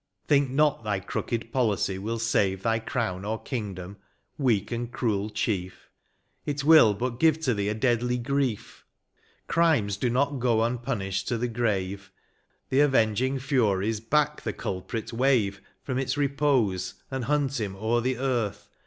Think not thy crooked policy will save Thy crown or kingdom, weak and cruel chief, It will but give to thee a deadly grief; Crimes do not go unpunished to the grave, The avenging fiiries back the culprit wave From its repose, and hunt him o'er the earth.